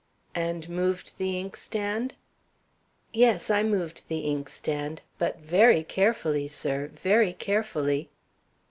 "And moved the inkstand?" "Yes, I moved the inkstand, but very carefully, sir, very carefully."